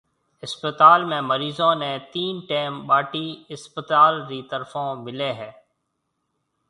اسپتال ۾ مريضون نيَ تين ٽيئم ٻاٽِي اسپتال رِي طرفون مليَ ھيََََ